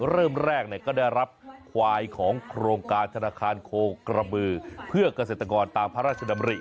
เริ่มแรกก็ได้รับควายของโครงการธนาคารโคกระบือเพื่อเกษตรกรตามพระราชดำริ